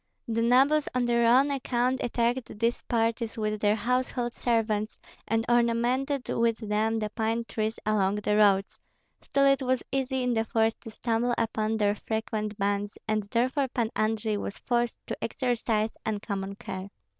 The nobles on their own account attacked these parties with their household servants, and ornamented with them the pine trees along the roads; still it was easy in the forest to stumble upon their frequent bands, and therefore Pan Andrei was forced to exercise uncommon care.